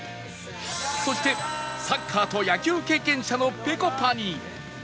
そしてサッカーと野球経験者のぺこぱに